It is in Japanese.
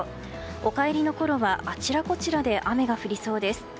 お帰りのころは、あちらこちらで雨が降りそうです。